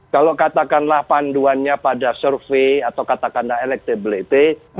kalau katakanlah panduannya pada survei atau katakanlah electability